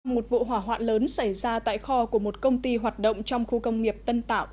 một vụ hỏa hoạn lớn xảy ra tại kho của một công ty hoạt động trong khu công nghiệp tân tạo